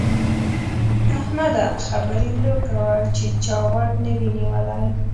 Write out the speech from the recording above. احمده! خبرې ورو کوه چې چا غوږ نه وي نيولی.